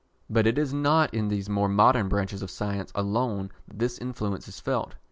But it is not in these more modern branches of science alone that this influence is felt.